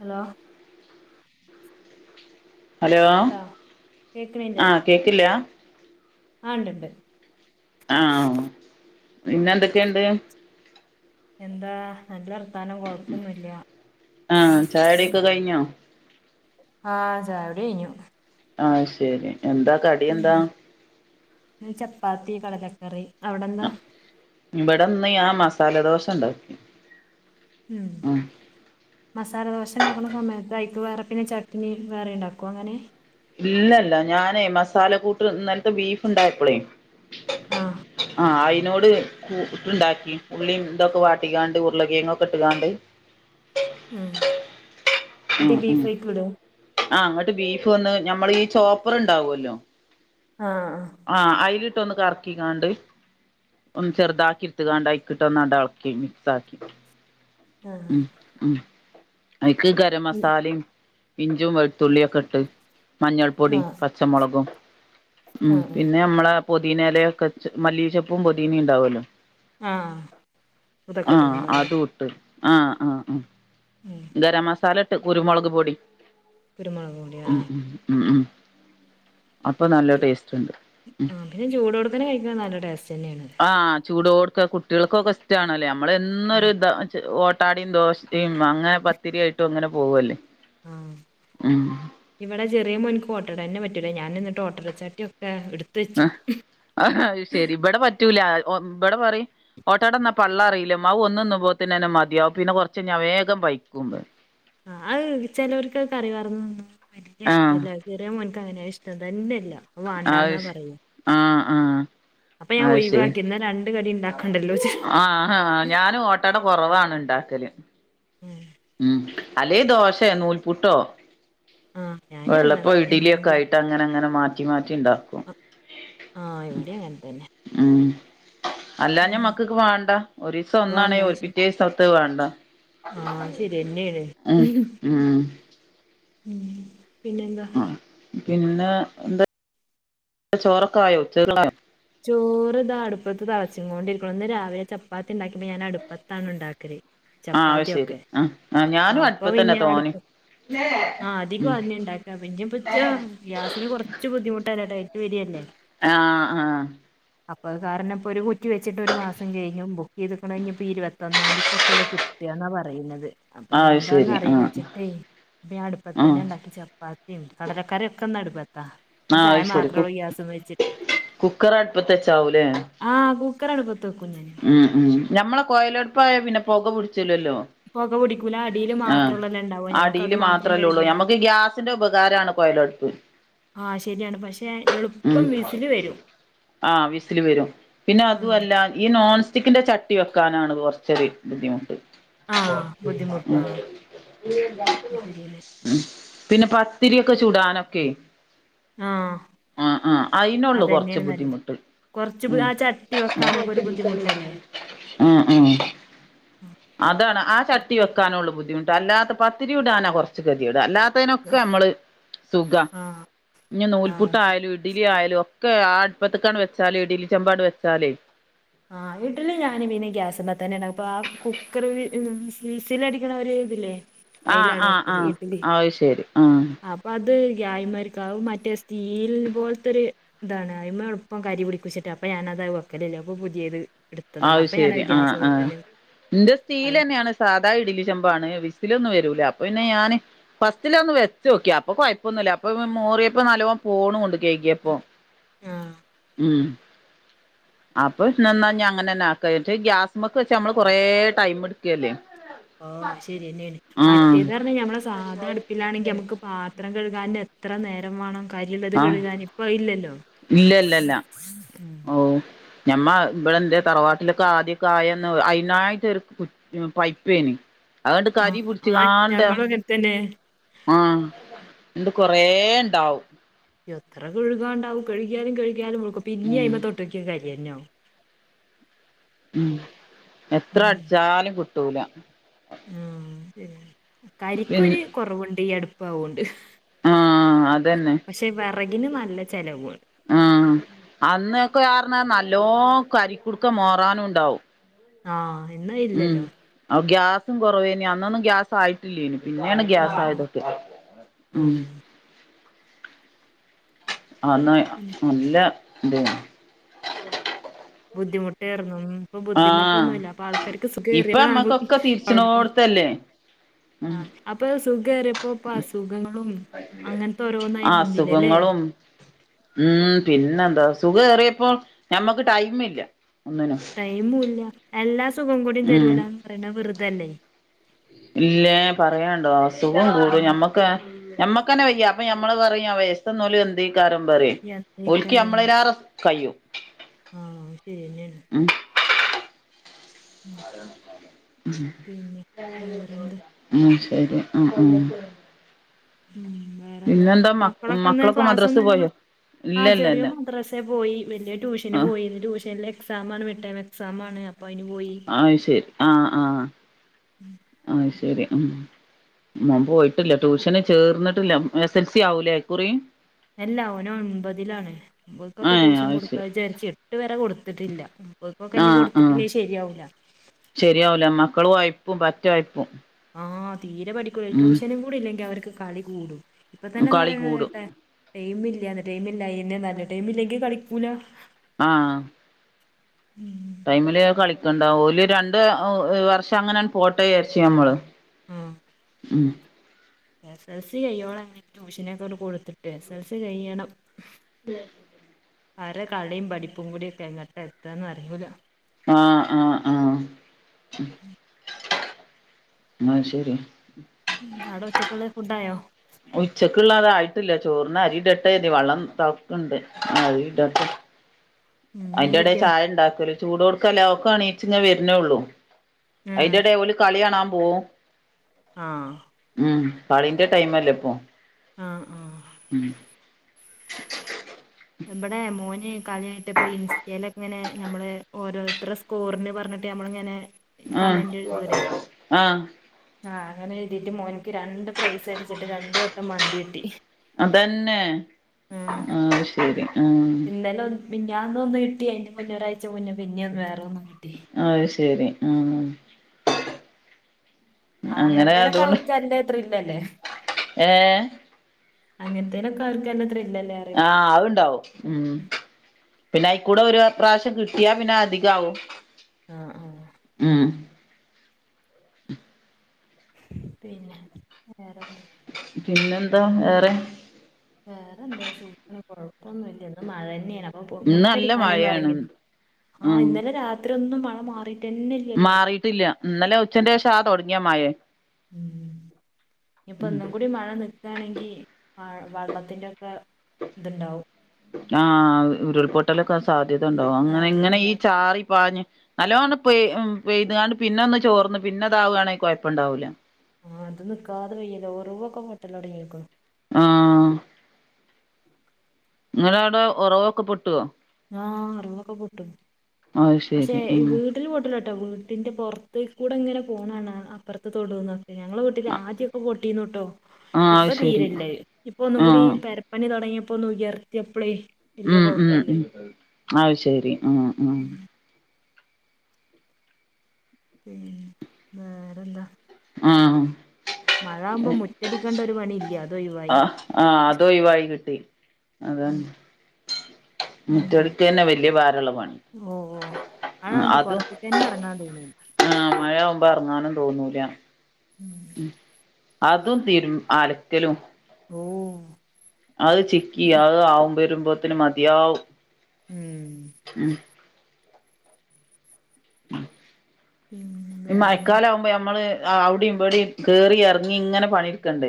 Hello hello ആഹ കേക്കില്ല? ആഹ് ണ്ട്ണ്ട് ആഹ് പിന്നെ എന്തൊക്കെയുണ്ട്? എന്താ നല്ല വർത്താനം കൊഴപ്പൊന്നുല്ല. കയ്ഞ്ഞോ? ആഹ് ചായ്യുടി കഴിഞ്ഞു. ആഹ് ശരി എന്താ? കടി എന്താ ഇന്ന് ചപ്പാത്തി കടലക്കറി. അവിടെന്താ? ഇവിടെ ഇന്ന് ഞാൻ മസാലദോശ ഇണ്ടാക്കി ഉം മസാലദോശ ഉണ്ടാക്കുന്ന സമയത്ത് അയ്ക്ക് വേറെ പിന്നെ ചട്നി വേറെ ഉണ്ടാക്കോ അങ്ങനെ? ഇല്ലല്ല ഞാനേ മസാല കൂട്ട് ഇന്നലത്തെ ബീഫുണ്ടായപ്പളേയ് ആഹ് ആഹ് അയിനോട് കട്ടുണ്ടാക്കി ഉള്ളി ഇന്തൊക്കെ വാട്ടിക്കാണ്ട് ഉരുളകീങ്ങൊക്കെ ഇട്ട്കാണ്ട് ഉം ഉ എന്നിട്ട് ഉ ബീഫ് അയിക്ക് ഇടോ ആ അങ്ങോട്ട് ബീഫ് വന്ന് ഞമ്മൾ ഈ ചോപ്പർ ഉണ്ടാവുല്ലോ? ആഹ് ആഹ് അതിലിട്ടൊന്ന് കറക്കിക്കാണ്ട് ഒന്ന് ചെറുതാക്കി ഇട്ട്ക്കാണ്ടയിക്കിട്ട് ഒന്ന അളക്കി മിക്സ് ആക്കി. ആഹ് ഉ ഉ അതിക്ക് ഗര മസാലയും. ഇഞ്ചും വെളുത്തുള്ളിയും ഒക്കെ ഇട്ട് മഞ്ഞൾപ്പൊടി ആഹ് പച്ചമുളകും ഉം ആഹ് പിന്നെ നമ്മള പൊതീനലക്കെ മല്ലീ ചപ്പും പൊതീനിം ഉണ്ടാവല്ലോ? ആഹ് [unintelligible] തക്കട്ട് ആഹ് ട്ട്ണ്ടാവു ലെ. അതും ഇട്ട് ആഹ് ആഹ് ആഹ്. ഉം. ഗരമസാലട്ട് കുരുമൊളക് പൊടി കുരുമുളക് പൊടി ഉ ആഹ് ഉം ഉം. അപ്പ നല്ല ടേസ്റ്റ്ണ്ട്. ആഹ് പിന്നെ ചൂടോട്ക്കനെ കഴിക്ക നല്ല ടേസ്റ്റെന്നേണ്. ആഹ് ചൂടോട്ക്ക കുട്ട്യൾക്കൊക്കെ ഇഷ്ടാണ്ലേ നമ്മളെന്നൊര് ആഹ് താ ച് ഓ ട്ടാടിം ദോശ് ഇം അങ്ങനെ പത്തിരി ആയിട്ടു അങ്ങനെ പോവല്ലേ ഉം. ഇവടെ ചെറ്യേ മോൻക്ക് ഓട്ടടന്നെ പറ്റൂല ഞാന് ന്നട്ട് ഓട്ടടച്ചട്ട്യൊക്കെ ഇട് അ അ അവ് ശരി ബട പറ്റൂല ഒ ബടെ പറിം. ഓട്ടാടന്നാ പള്ള അറില്ലമ്മ അവ് ഒന്ന്ന്നുമ്പോത്തിനന്നെ മത്യാവു പിന്നെ കൊർച്ച് ഞാ വേഗം പൈക്കുമ്പ ആഹ് അവ് പെലോൽക്കവ് കറി പാർന്ന്ന്ന വല്ല്യ ആഹ് ഇഷ്ടല്ലവ്. ചെറ്യേ മോൻക്കങ്ങനെ ഇഷ്ടം തന്നെല്ല ഓ അത് വാണ്ടാന്നാ ശെ പറയ. ആഹ് ആഹ് അപ്പ ഞാ അത് ഒയ് ശെരി വാക്കി ന്ന രണ്ട് കടി ണ്ടാക്കണ്ടല്ലോച്ച ഉം. ട്ടട കൊറവാണ് ണ്ടാക്കല് ഉം. ഉം അല്ലെ ദോശേ നൂൽപുട്ടോ. ആഹ്. വെള്ളപ്പ ഇഡ്ല്യൊക്കായ്ട്ടങ്ങനെ ങ്ങനെ മാറ്റി മാറ്റിണ്ടാ അ ആഹ് എവിട്യൂ അങ്ങൻ തന്നെ. ഉം അല്ലാഞാ ഉം. മക്കക്ക് വാണ്ട ഒരിസം ഒന്നാണേ വേണ്ട ഒ ശ- പിറ്റേസം. ത്ത് വാണ്ട ആ ശരിയെന്നേണ് അ് ഉം. ഉം പിന്നെന്താ. ആ. പിന്നെ എന്ത ചോറക്കായോ ഉച്ച ചോറ് താ അടുപ്പത്ത് തൾച്ച്ങ്ങോണ്ടിരിക്കണു ഇന്ന് രാവിലെ ച പ്പാത്തി ണ്ടാക്ക്യപ്പ ഞാനടുപ്പത്താണുണ്ടാക്കല്. ആഹ് അത് ശരി ചപ്പാത്ത്യൊക്കെ ആഹ് അ അപ്പ പിന്നെ അടുപ് ലേ. ആഹ് അധികു അഎന്നെണ്ടാക്കാ പിന്ന പച്ച ഗ്യാസിന് കൊറച്ച് ബുദ്ധിമുട്ടല്ലേ ട്ടൈറ്റ് വര്യല്ലേ. ആഹ് ആഹ്. അപ്പവ് കാരണംപ്പൊരു കുറ്റി വെച്ചിട്ടൊരു മാസം കെയ്ഞ്ഞു ബുക്കെയ്ത്ക്കണ ഞ് പ്പീ ഇരുപത്തൊന്നാംന്തിക്ക ക്കൊള്ളു ക്- ദ്യന്ന പറയ്ന്നത് അത് ശരി ആഹ് അപ്പഞ്ഞെന്താന്നറീലച്ച്ട്ടെ പ്പഞാ ആഹ് അട്പ്പത്തന്നെ ണ്ടാക്കി ചപ്പാ നിം കടലക്കറ്യൊക്കെന്നട്പ്പത്താ ന്ന് ചായ മാത്രള്ളൂ ഗ്യാസും വെച്ചിട്ട്. കുക്കറട്പ്പത്തച്ചാവുലെ. ആഹ് കുക്കറടുപ്പത്ത് വെക്കും ഞാന്. ഉം ഉം ഞമ്മളെ കൊയലട്പ്പായ പിന്നെ പൊക പുട്ച്ലല്ലോ. പൊക പിടിക്കൂല അടിയില് അഹ് മാത്രൊള്ളല്ലോ ഇണ്ടാവ ഞമ്മക്ക് അടീല് അത് മാത്രം മാത്രല്ലള്ളൂ കഴുകിയാ മതി ഞമ്മക്ക് ഗ്യാസ്ന്റെ ഉപകാരാണ്. കൊയലട്പ്പ്. ആഹ് ശര്യാണ് പക്ഷെ. ഉം എളുപ്പം വിസില് വരും ആഹ് വിസിൽ വരും പിന്നെ ആഹ് അത്വല്ല ഈ നോൺ തിക്ൻ്റെ ചട്ടി വെക്കാനാണ് കൊർച്ചര് ബുദ്ധിമുട്ട്. [unintelligible] ആഹ് ബുദ്ധിമുട്ടാ അത് ഉം ശരിയല്ലേ പിന്നെ പത്തിര്യൊക്കെ ചുടാനൊക്കെ. ആഹ്. ആഹ് ആഹ് അയ്നൊള്ളു കൊർച്ച് അതന്നെയാണ് നല്ലത് ബുദ്ധിമുട്ട് കൊറച്ച് ബു ഉം. ആ ചട്ടി ആഹ് വെക്കാനൊക്കെ ഒരു ബുദ്ധിമുട്ടല്ലേ ആഹ്. അതാണ് ആ ചട്ടി വെക്കാനള്ളു ബുദ്ധിമുട്ട് അല്ലാത്ത പത്തിരി ഉടാനാ കൊർച്ച് കത്യേട് അല്ലാത് പ്പയ്നൊക്കെ അമ്മള് സുഖ. ആഹ് ഞ് ആഹ് ശരി. നൂൽപുട്ടായാലു ഇഡ്ലി ആയാലു ഒക്കെ ആ അട്പ്പത്ത്ക്കാണ് വെച്ചാല് ഇഡി ചെമ്പാട് വെച്ചാലേ. ആഹ് ഇഡ്ല് ഞാനും പിന്നെ ഗ്യാസുമ്മത്തന്നേണവ് പ്പാ കുക്കർ വി ഫിസലടിക്കണ ഒര് ത് ല്ലേ. ആഹ് ആഹ് ആഹ് ആത് ശരി ആഹ്. വത് ഗ്യായ്മരിക്ക അവും മറ്റേ സ്റ്റീൽ പോൽത്തൊര്. ഇതാണ്. അയിമ എളുപ്പം കരി പിടിക്കുച്ചിട്ട് അപ്പൊ ഞാനത് വെക്കലില്ല. അപ്പം പുതിയത് എടു അഹ് ശരി ആഹ് ആഹ് എന്റെ പഴ സ്റ്റീൽ തന്നെയാണ്. സാധാ ഇഡലി ചെമ്പാണ് വിസിലൊന്നും വരൂല. അപ്പൊ പിന്നെ ഞാന് ഫസ്റ്റിലേ ഒന്ന് വെച്ച് നോക്കി അപ്പൊ കൊഴപ്പൊന്നുമില്ല. അപ്പം മോറിയപ്പോ നല്ലോണം പോണുണ്ട്. കഴുക്കിയപ്പോ ആഹ് ഉം അപ്പൊ ന്ന ന്നാ അങ്ങനെന്നെ ആക്ക. ഗ്യാസ്മക്ക് വെച്ച് നമ്മള് കൊറേ ടൈം എടുക്കല്ലേ ഓ ശരി തന്നെയാണ്. ആഹ് മറ്റേന്ന് പറഞ്ഞ നമ്മളെ സാധ അടുപ്പിലാണെങ്കി നമുക്ക് പാ പാത്രം കഴുകാന് എത്ര നേരം വേണം. കരിണത് ആഹ് കഴുകാൻ ഇപ്പം ഇല്ലല്ലോ? ഇല്ല ഇല്ല ഇല്ല ഓ ഞമ്മ ഇവിടെ എന്തേ തറവാട്ടിലൊക്കെ ആദ്യകായന്ന് അതിനായിട്ട് ഉ പൈപ്പേനി. അഹ് കരിപിടിച്ചു കാണ്ട് തെന്നെ ആഹ് ഇന്ന് കൊറേ ണ്ടാവും എത്ര കഴുകാണ്ടാവും കഴുകിയാലും കഴുകിയാലും വെളുക്കും. പിന്നേ ഉം അയിന്ന് മേൽ തൊട്ട് നോക്കിയാ കരിതന്നെയാകും. ഉം എത്ര അടിച്ചാലും കിട്ടൂല. ആഹ് ശേ പിൻ കരിക്കൊര് കൊറവുണ്ട് ഈ അടുപ്പ് ആവോണ്ട്. ആ ആഹ് അതന്നെ പക്ഷെ വിറകിന് നല്ല ചിലവു ആണ്. ആഹ്. അന്നൊക്കെ കാരണം നല്ലോ കരിക്കുടുക്ക മോറാനും ഉണ്ടാവും. ആഹ് ഇന്ന് ഉം ഇല്ലല്ലോ? ഗ്യാസും കുറവേ നി അന്നൊന്നും ഗ്യാ ആയിട്ടില്ലേനു പിന്നെണ് ഗ്യാസ് ഉം ആയതൊക്കെ ഉം ആന്നേ നല്ല താണ്. ബുദ്ധിമുട്ട്‌രുന്നു. ഇപ്പൊ ആഹ് ബുദ്ധിമുട്ടൊന്നുല്ല. അപ്പൊ ആൾക്കാർക്ക് സുഖം ഇപ്പൊ എറിയപ്പോഴാണ് നമ്മക്കൊക്കെ കുഴപ്പം. തിരിച്ചണോടത്തല്ലേ ഉം ആഹ് അപ്പൊ സുഖംയേറിയപ്പോ പ്പ അസുഖങ്ങളും. അങ്ങനത്തെ ഓരോന്നായി വന്നില്ല ല്ലേ അസുഖങ്ങളും ഉം പിന്നെ എന്താ സുഖം കേറിയപ്പോൾ ഞമ്മക്ക് ടൈമ് ഇല്ല. ഒന്നിനും ടൈമും ഇല്ല. എല്ലാ സുഖം കൂടിയും തരൂലാന്ന് പറയുന്ന വെറുതേയല്ലേ. ഇല്ലാ പറയാ ഉണ്ടോ അസുഖം കൂടും. ഞമ്മക്ക് [unintelligible] ഞമ്മക്കന്നെ വയ്യ അപ്പ ഞമ്മള് പറയാ വേ സ്‌റ്റ്‌ ന്നോലും എന്തെ കാരം പറ ഓൽക്കി യാത്രക്കാരം അമ്മളായിരം കയ്യും. ആഹ് ശരി തന്നെയാണ് ഉം പിന്നെ വേറെന്താ ഉം ശരി ഉം ഉം ഉം വേറെന്താ പിന്നെന്താ മ മക്കളക്കെന്ന് മക്കളൊക്കെ ക്ലാസ് മദ്രസ് പോയോ ഒന്നുയില്ലല്ലോ? ആ ഇല്ല ഇല്ല ചെറിയോ ഇല്ല മദ്രാസെ പോയി വലിയ ട്യൂഷന് ആ പോയി ഇന്ന് ട്യൂഷനിലെ എക്സാമാണ് മിഡ്‌ ടേമ് എക്സാമാണ് അപ്പൊ അയ്ന് പോയി. അയ് ശരി ആഹ് ആഹ് [unintelligible] ആഹ് ശരി ആഹ് മോൻ പോയിട്ടില്ല ട്യൂഷന് ചേർന്നിട്ടില്ല എസ് എസ് എൽ സി ആവൂലേയികുറി. അല്ല ഓന് ഒൻപതിലാണ്. ഏ ഇവൾക്കൊക്കെ ട്യൂഷൻ അത് ശരി കൊടുക്കാചാരിച്ച എട്ട് വരെ കൊടുത്തിട്ടില്ല ഓൽക്കൊക്കെ ഇനി കൊടുത്തിട്ടില്ലേ ശരിയാവൂല്ല. ശരിയാവുല മക്കളും വായ്പും പറ്റ് വായ്പും. ആഹ് തീരെ പഠിക്കൂല ട്യൂഷനും കൂടി ഇല്ലെങ്കി അവർക്ക് കളി കൂടും ഇപ്പൊ തന്നെ എന്താ കളി പറയുന്നത് കൂടും കേട്ടേ ടൈമ ഇല്ല ടൈമിലയെന്നെ നല്ല ടൈം ഇല്ലെങ്കി കളിക്കൂല. ആഹ് ഉം ടൈമില് കളിക്കണ്ട ഓൽ രണ്ട് വർഷം അങ്ങനെ പോട്ട വിചാരിച്ച് നമ്മള് [unintelligible] ഉം എസ് എൽ സി കയ്യോളം എങ്ങനെ ട്യൂഷനൊക്കെ ഒന്ന് കൊടുത്തിട്ട് എസ് എൽ സി കയ്യണം ഉം [inaudible] അരെ കളിയും പഠിപ്പും കൂടി ഒക്കെ എങ്ങട്ടാ എത്താന്ന് അറിയൂല ആഹ് ആഹ് ആഹ് ആഹ് ശരി അവിടെ ഉച്ചക്കുള്ള ഫുഡ്‌ ആയോ ഉച്ചക്കുള്ള അതായിട്ടില്ല ചോറിൻ അരി ഇടട്ടെ വെള്ളം തെളക്കണ്ട് അരി ഇടട്ടെ ഉം മീൻ അതിന്റെ ഇടയിൽ കിട്ടിയോ ചായ ഉണ്ടാക്കലും ചൂടോടക്കല്ലേ ഒക്കെ എണീച്ചി വരുന്നേള്ളൂ ആഹ് അയിന്റെ ഇടയിൽ ഓൽ കളി കാണാൻ പോവും ആഹ് ഉം കളിന്റെ ടൈം അല്ലേ ഇപ്പൊ ആ ഹ് ആഹ് ഉം ഇവടൊ മോന് കളിഴിട്ടഇപ്പം ഇൻസ്റ്റയിലക്കങ്ങനെ നമ്മള് ഓരോരുതരെ സ്കോറിന് പറഞ്ഞിട്ട് നമ്മൾ ഇങ്ങനെ ആഹ് കമന്റ് എഴുതുല്ലേ ആഹ് ആഹ് അങ്ങനെ എഴുതിട്ട് മോനിക്ക് രണ്ട് പ്രൈസ് അടിച്ചിട്ട് രണ്ടു വട്ടം മന്തി കട്ടി അതന്നെ ആഹ് ശരി ആ ഇന്നലെ ഒന്ന് മിനിഞ്ഞാന്ന് ഒന്ന്കിട്ടി അതിന്റെ മുന്നേ ഒരാഴ്ച മുന്നേ പിന്നെ വേറെ ഒന്നും കിട്ടി അത് ശെരി ആഹ് ആഹ് അങ്ങനെത്തേനെക്ക അവൾക്ക് നല്ല ത്രില്ലല്ലേ ഏ അങ്ങനത്തനൊക്കെ അവർക്ക നല്ല ത്രി ആഹ് അതുണ്ടാവും ഉം പിന്നെ ആയിക്കൂടെ ഒരുപ്രാവശ്യം കിട്ടിയാ പിന്നെ അധികം ആവും ആഹ് ആഹ് ഉം പിന്നെ വേറെന്ത് പിന്നെന്താ വേറെ വേറെന്താ സുഖം കൊഴപ്പൊന്നുമല്ല ഇന്ന് മഴ തന്നെയാണ് ആഹ് ഇന്ന് നല്ല മുറ്റടിക്കാനൊന്നും മഴയാണ് ഇറങ്ങി ആഹ ഉം ഇന്നലെ രാത്രി ഒന്നും മഴ മാറി മാറിയിട്ടില്ല ഇന്നലെ ഉച്ചന്റെ ശേഷ ആ തുടങ്ങിയാ മയേ ഉം ഇനിയിപ്പൊ ഇന്നും കൂടി മഴ നിക്കാണെങ്കി ആ വെള്ളത്തിന്റെ ഒക്കെ ഇതുണ്ടാവും ആഹ് ഉരുൾപൊട്ടലൊക്കെ സാധ്യത ഉണ്ടാവും അങ്ങനെ സാധ്യത ഇങ്ങനെ ഇണ്ട ഈ ചാറി പാഞ്ഞ് നല്ലോണം പെയ് പെയ്ത്കാണ്ട് പിന്നെ ഒന്ന് ചോർന്ന് പിന്നെതാവാണെങ്കിൽ കുഴപ്പം ഉണ്ടാവില്ല ആഹ് അതും നിക്കാതെ പെയ്യല് ഒറവ് ഒ ക്കെ പൊട്ടൽ തുടങ്ങിക്ക്‌ണ് ആഹ് ഇങ്ങടെ അവിടെ ഉറവൊക്കെ പെട്ടുവോ ആഹ് ഒറവൊക്കെ പൊട്ടും അത് പക്ഷെ ശരി ഉം വീട്ടിൽ പൊട്ടുല കേട്ടോ വീട്ടിന്റെ പുറത്തേ കൂടെ ഇങ്ങനെ പോണ കാണ അപ്പുറത്ത് തൊടുന്ന ഞങ്ങള വീട്ടില് ആദ്യൊക്കെ പൊട്ടിന്ന്ട്ടോ ആഹ് അത് ഇപ്പ ശരി തീരല്ലേ ഇപ്പൊ ഒന്നും കൂടി ആഹ് പെര പണിതുടങ്ങിയപ്പോ ഒന്ന് ഉയർത്തിയപ്പൾ ഉം ഉം ഉം അത് ശരി ആഹ് ആഹ് ഉം വേറെന്താ ആഹ് മഴയാവൂമ്പോ മുറ്റടിക്കേണ്ട ഒരു പണി ഇല്ല്യ ആഹ് ആ അത് ഒയിവായികിട്ടി അതെന്നെ ഉം വല്യ ഭാരമുള്ള പണി ഉം ഓ ഓ മഴാവുമ്പോ പൊറുത്ത്ക്കന്നെ ഇറങ്ങാൻ തോന്നൂലാ ആ മഴ ആവുമ്പോ എറങ്ങാനും തോന്നൂല ഉം. അതും തീരു അലക്കലും- ഓഹ്. അത് ചിക്കി അത് ആവുപ്പോരീമമ്പോത്തിനും മതിയാവും. ഉം ഉം [unintelligible] പിന്നെ വേറെന്താ മയക്കാലാവുപ്പോ ഞമ്മള് ആഹ് അവിടിം ഇവിടെ കെയറി എറങ്ങി ഇങ്ങനെ പണിട്ക്കണ്ട്.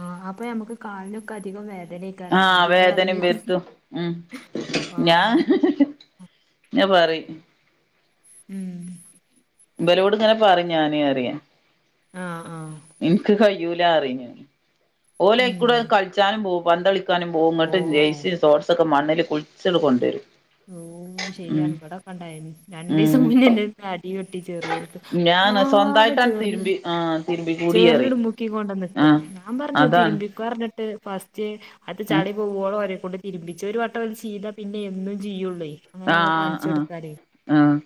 ആഹാ അപ്പൊ നമുക്ക് കാലിനൊക്കെ അധികം വേദനേ ആ വേദനിം വേര്ത്തും ഉം ഞാ ആഹ് ഇങ്ങ പറി ഉം. ഇപലോട്ങ്ങനെ പറേം ഞാന് അറിയ ആഹ് ആഹ് എനിക്ക് കയ്യ് കയ്യൂലറിം ഓല് അഴിക്കുടെ ഉം കളിച്ചാനും പോവും പന്തളിക്കാനും പോവും ഇങ്ങോട്ട് ഓഹ് ജയ്സി തോട്‌സ്ക്കെ മണ്ണില് കുളിച്ച്ത്കൊണ്ടാരും. ഓ ശരിയാണ് ഇവിടക്കണ്ടായി രണ്ടീസം ഉം മുന്നേ ഇന്റെ അടി കൊട്ടി ചേറിയോന്ക്ക് ഞാന് ആകേ സ്വന്തായിട്ടാണ് ചേർ തിരുമ്പി ആ തിരുമ്പി കൂടിയേറി ചേറലിട്മുക്കി മുക്കി ആ കൊണ്ടന്ന്ക്കാ ഞാൻ അതാണ് പഞ്ഞുതിരുമ്പിക്ക റഞ്ഞ് ട്ട് ഫസ്റ്റ് അത് ചളി പോകോളോ ഒരെക്കൊണ്ട് തിരുപ്പിച്ചു ഒരു വട്ടം ഓല് ചെയ്തപിന്നെ എന്നും റ്റിയ്യുള്ളെ ആഹ് ആഹ് ആഹ്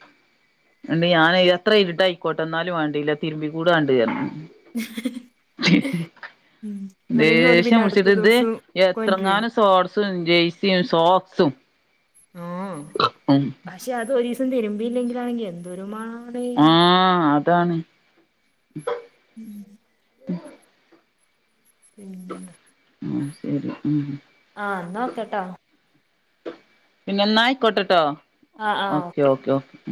ന്ന ഞാന് എത്ര ഇരുട്ടായിയിക്കോട്ടെ എന്നാലും വേണ്ടില്ല തിരുബികൂടാണ്ട് [unintelligible] ഉ അല്ലെങ്കിൽ ഒല് പിന്നെ ദേഷ്യം അടുത്ത ദിവസം കൊണ്ട്രെ. ജെയയ്സിയും സോക്സും ഏഹ് [unintelligible] ഉം പക്ഷെ അത് ഒരിസം തിരുമ്പിയില്ലെങ്കിലാണെങ്കില് എന്തൊരുമണാണ്. ആഹ് താണ്- [unintelligible] പിന്നെന്താ? ആഹ് ശരി [unintelligible] ആഹ് ന്നാ ഒക്കെ ട്ടോ പിന്നെന്നായിക്കോട്ടട്ടോ ആ ആ ഓക്കെ ഓക്കെ ഒ.